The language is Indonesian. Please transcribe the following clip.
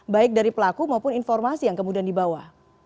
baik dari pelaku maupun informasi yang kemudian dibawa